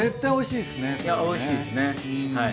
いやおいしいですねはい。